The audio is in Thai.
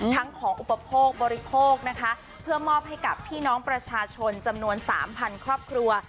ของอุปโภคบริโภคนะคะเพื่อมอบให้กับพี่น้องประชาชนจำนวน๓๐๐ครอบครัว